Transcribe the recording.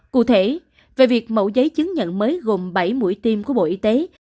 cụ thể về việc mẫu giấy chứng nhận mới gồm bảy mũi tiêm của bộ y tế